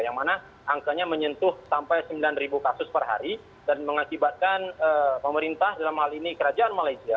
yang mana angkanya menyentuh sampai sembilan kasus per hari dan mengakibatkan pemerintah dalam hal ini kerajaan malaysia